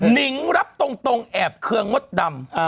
หนิงรับตรงแอบาเรียนงดดำ